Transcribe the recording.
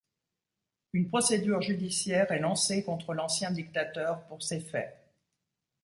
Une procédure judiciaire est lancée contre l’ancien dictateur pour ces faits.